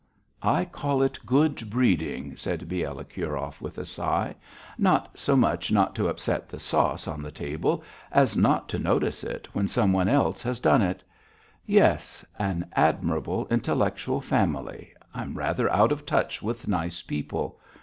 "I call it good breeding," said Bielokurov, with a sigh, "not so much not to upset the sauce on the table, as not to notice it when some one else has done it. Yes. An admirable intellectual family. I'm rather out of touch with nice people.